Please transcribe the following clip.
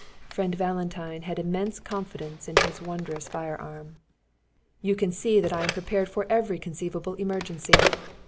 Friend Valentine had immense confidence in his wondrous firearm. "You can see that I am prepared for every conceivable emergency.